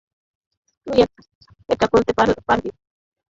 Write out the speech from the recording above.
তুই এটা করতে পারবি।